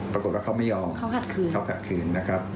ปรากฏว่าเขาไม่ยอมเขาขัดขืนนะครับ